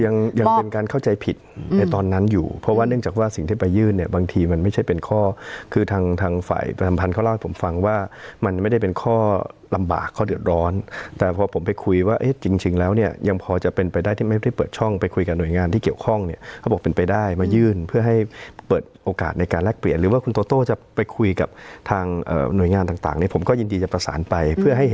ยังเป็นการเข้าใจผิดในตอนนั้นอยู่เพราะว่าเนื่องจากว่าสิ่งที่ไปยื่นเนี่ยบางทีมันไม่ใช่เป็นข้อคือทางฝ่ายประธรรมภัณฑ์เขาเล่าให้ผมฟังว่ามันไม่ได้เป็นข้อลำบากข้อเดือดร้อนแต่พอผมไปคุยว่าเอ๊ะจริงแล้วเนี่ยยังพอจะเป็นไปได้ที่ไม่ได้เปิดช่องไปคุยกับหน่วยงานที่เกี่ยวข้องเนี่ยเขาบอกเป็นไป